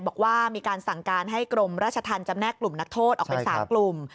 บอกว่ามีการสั่งการให้กรมราชธรรมจำแนกกลุ่มนักโทษออกเป็น๓กลุ่ม